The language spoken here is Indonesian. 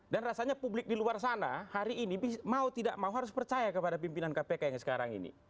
dan rasanya publik di luar sana hari ini mau tidak mau harus percaya kepada pimpinan kpk yang sekarang ini